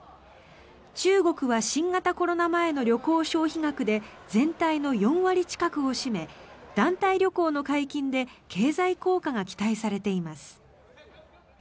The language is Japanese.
中国は新型コロナ前の旅行消費額で全体の４割近くを占め団体旅行の解禁で経済効果が期待されています。